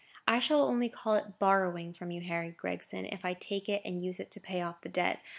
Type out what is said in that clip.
I shall only call it borrowing from you, Harry Gregson, if I take it and use it to pay off the debt.